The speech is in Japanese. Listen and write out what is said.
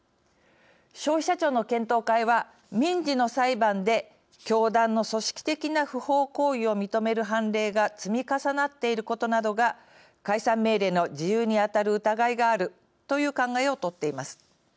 消費者庁の検討会は民事の裁判で教団の組織的な不法行為を認める判例が積み重なっていることなどが解散命令の事由に当たる疑いがあるという考えを取っています。